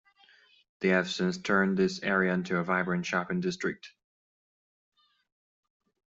They have since turned this area into a vibrant shopping district.